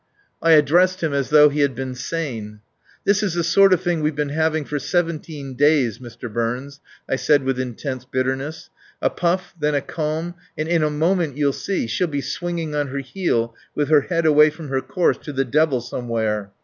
I addressed him as though he had been sane. "This is the sort of thing we've been having for seventeen days, Mr. Burns," I said with intense bitterness. "A puff, then a calm, and in a moment, you'll see, she'll be swinging on her heel with her head away from her course to the devil somewhere."